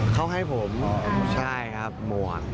เขาให้ผมใช่ครับหมวก